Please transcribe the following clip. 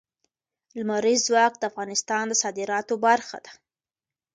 لمریز ځواک د افغانستان د صادراتو برخه ده.